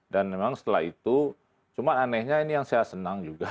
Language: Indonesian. dan memang setelah itu cuma anehnya ini yang saya senang juga